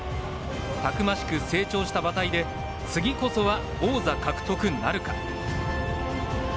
たくましく成長した馬体で次こそは、王座獲得なるか。